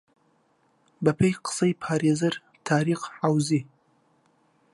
بە پێی قسەی پارێزەر تاریق عەوزی